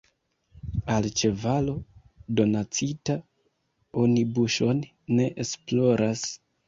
Al ĉevalo donacita oni buŝon ne esploras.